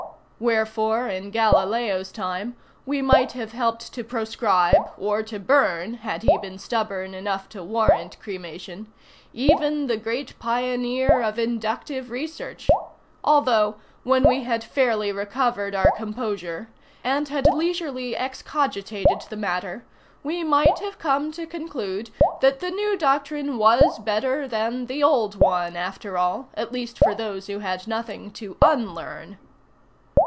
Wherefore, in Galileo's time, we might have helped to proscribe, or to burn had he been stubborn enough to warrant cremation even the great pioneer of inductive research; although, when we had fairly recovered our composure, and had leisurely excogitated the matter, we might have come to conclude that the new doctrine was better than the old one, after all, at least for those who had nothing to unlearn.